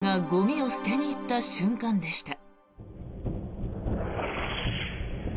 住民がゴミを捨てに行った瞬間でした。